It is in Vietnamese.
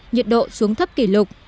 nhiệt độ xuống thấp kỷ lục